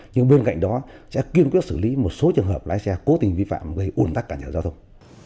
nhưng bên cạnh đó sẽ kiên quyết xử lý một số trường hợp lái xe cố tình vi phạm gây ủn tắc cả nhà giao thông